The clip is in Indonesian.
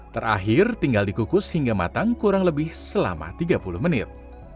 terakhir tinggal dikukus hingga matang kurang lebih selama tiga puluh menit